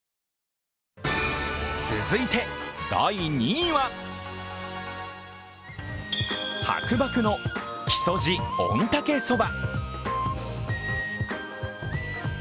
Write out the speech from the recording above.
続いて第２位ははくばくの木曽路御岳そば。